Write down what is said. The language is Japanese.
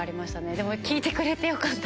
でも聞いてくれてよかった。